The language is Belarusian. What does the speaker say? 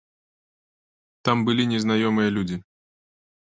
Там былі незнаёмыя людзі.